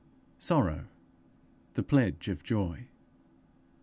_SORROW THE PLEDGE OF JOY.